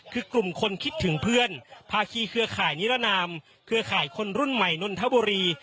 คือกลุ่มคนคิดถึงเพื่อนภาคีเครือข่ายนิรนามเครือข่ายคนรุ่นใหม่นนทบุรี